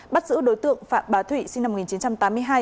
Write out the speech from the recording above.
bắt giữ đối tượng phạm bá thụy sinh năm một nghìn chín trăm tám mươi hai